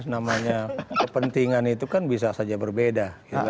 namanya kepentingan itu kan bisa saja berbeda